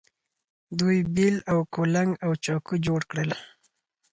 دوی بیل او کلنګ او چاقو جوړ کړل.